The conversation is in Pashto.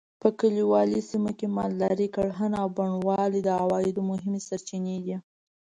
په کلیوالي سیمو کې مالداري؛ کرهڼه او بڼوالي د عوایدو مهمې سرچینې دي.